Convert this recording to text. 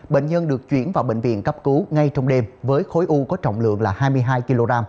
bệnh nhân được chuyển vào bệnh viện cấp cứu ngay trong đêm với khối u có trọng lượng là hai mươi hai kg